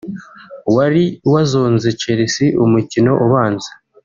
wari wazonze Chelsea umukino ubanza